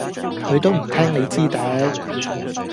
佢都唔聽你支笛